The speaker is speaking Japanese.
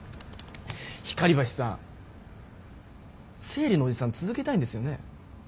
光橋さん生理のおじさん続けたいんですよね？